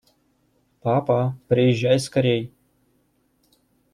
Папа, приезжай скорей!